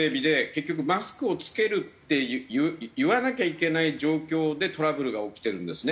結局マスクを着けるって言わなきゃいけない状況でトラブルが起きてるんですね。